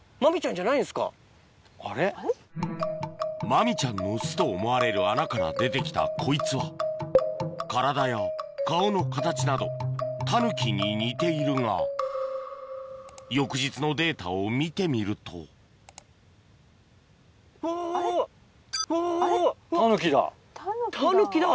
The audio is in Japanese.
マミちゃんの巣と思われる穴から出て来たこいつは体や顔の形などタヌキに似ているが翌日のデータを見てみるとあっホントだ。